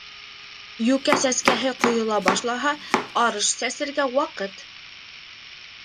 Йүкә сәскәһе ҡойола башлаһа, арыш сәсергә ваҡыт.